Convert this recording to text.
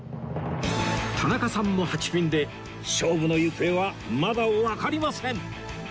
田中さんも８ピンで勝負の行方はまだわかりません！